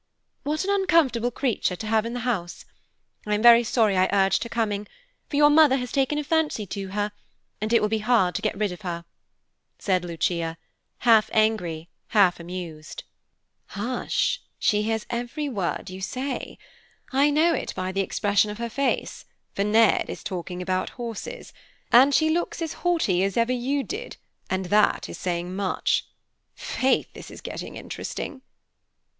"What an uncomfortable creature to have in the house! I am very sorry I urged her coming, for your mother has taken a fancy to her, and it will be hard to get rid of her," said Lucia, half angry, half amused. "Hush, she hears every word you say. I know it by the expression of her face, for Ned is talking about horses, and she looks as haughty as ever you did, and that is saying much. Faith, this is getting interesting."